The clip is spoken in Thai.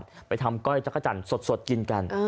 ก็พูดว่าถ้าทำก้อยจักรจันทร์สดกินกัน